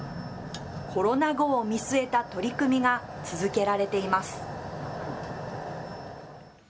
コロナ後を見据えた取り組みが続けられています。